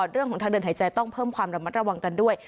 เรื่องของทางเดินหายใจต้องเพิ่มความระมัดระวังกันด้วย